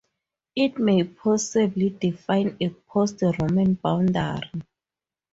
It may possibly define a post-Roman boundary.